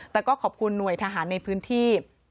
แต่ก็ขอบคุณหน่วยทหารในพื้นที่